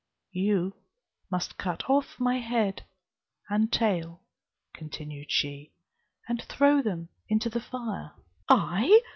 You must cut off my head and tail," continued she, "and throw them into the fire." "I!"